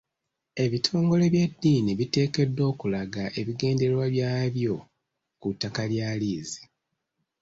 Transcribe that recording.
Ebitongole by'eddiini biteekeddwa okulaga ebigendererwa byabyo ku ttaka lya liizi.